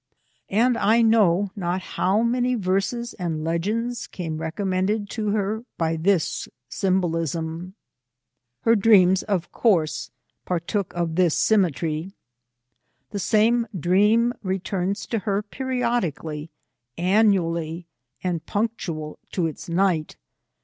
And I know not how many verses and legends came recommended to her by this symbohsm. Her dreams, of course, partook of this symmetry. The same dream returns to her periodically, annu ally, and punctual to its night.